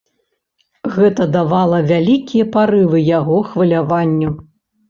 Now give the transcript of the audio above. Гэта давала вялікія парывы яго хваляванню.